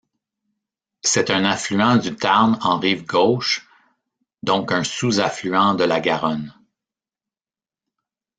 C'est un affluent du Tarn en rive gauche, donc un sous-affluent de la Garonne.